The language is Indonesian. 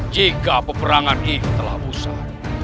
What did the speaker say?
jika peperangan ini telah usai